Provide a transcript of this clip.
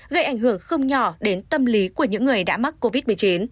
gây ảnh hưởng không nhỏ đến tâm lý của những người đã mắc covid một mươi chín